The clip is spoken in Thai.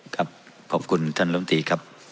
ครับขอบคุณท่านลมตีครับ